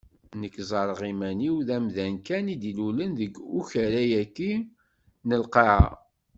Nekk ẓerreɣ iman-iw d amdan kan i d-ilulen deg ukerra-agi n lqaɛa.